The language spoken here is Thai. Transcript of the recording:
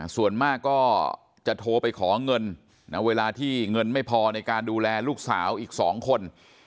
ส่วนมากก็จะโทรไปขอเงินเวลาที่เงินไม่พอในการดูแลลูกสาวอีก๒คน